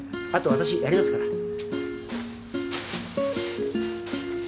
あとは私やりますから。